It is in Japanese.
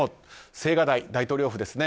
青瓦台、大統領府ですね